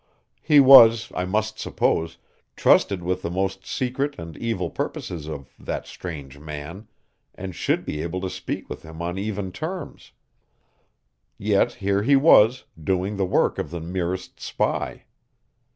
He was, I must suppose, trusted with the most secret and evil purposes of that strange man, and should be able to speak with him on even terms. Yet here he was, doing the work of the merest spy.